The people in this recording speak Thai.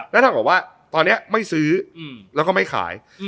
แล้วเท่ากับว่าตอนนี้ไม่ซื้อแล้วก็ไม่ขาย